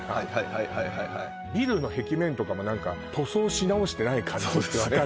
はいはいはいはいビルの壁面とかも何か塗装し直してない感じって分かる？